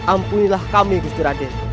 ampunilah kami gusti raden